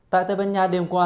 tại tây ban nha đêm qua